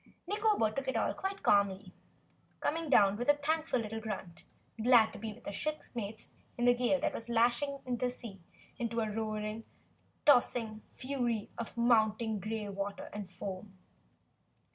Nikobo took it all quite calmly, coming down with a thankful little grunt, glad to be with her shipmates in the gale that was lashing the sea into a rolling, tossing fury of mounting gray water and foam.